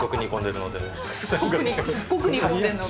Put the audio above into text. すっごく煮込んでいるので。